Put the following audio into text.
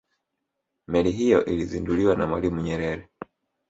meli hiyo ilizinduliwa na mwalimu nyerere